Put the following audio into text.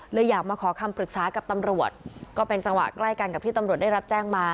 อยากมาขอคำปรึกษากับตำรวจก็เป็นจังหวะใกล้กันกับที่ตำรวจได้รับแจ้งมา